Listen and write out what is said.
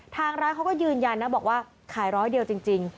ทางร้านเขาก็ยืนยันนะบอกว่าขายร้อยเดียวจริง